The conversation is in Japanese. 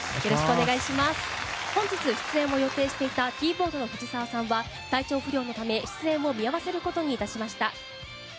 本日、出演を予定していたキーボードの藤澤さんは体調不良のため出演を見合わせることになりました。